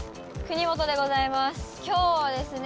国本でございます。